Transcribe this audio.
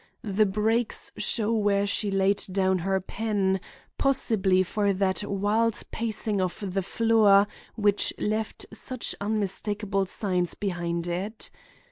The breaks show where she laid down her pen, possibly for that wild pacing of the floor which left such unmistakable signs behind it.